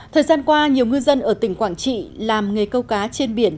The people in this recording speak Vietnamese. thời gian qua nhiều ngư dân ở tỉnh quảng trị làm nghề câu cá trên biển